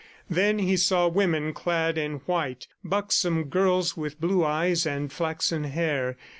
Then he saw women clad in white, buxom girls with blue eyes and flaxen hair.